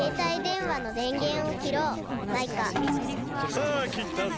さあきったぞ。